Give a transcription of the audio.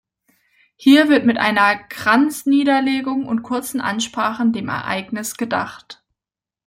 Hier wird mit einer Kranzniederlegung und kurzen Ansprachen dem Ereignis gedacht.